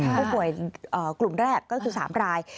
ผู้ป่วยกลุ่มแรกก็คือ๓ราย